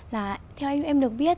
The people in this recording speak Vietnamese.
là theo em được biết